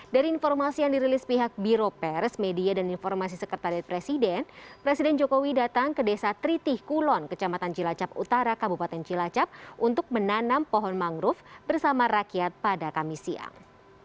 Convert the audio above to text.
dari informasi yang dirilis pihak biro pers media dan informasi sekretariat presiden presiden jokowi datang ke desa tritih kulon kecamatan cilacap utara kabupaten cilacap untuk menanam pohon mangrove bersama rakyat pada kamis siang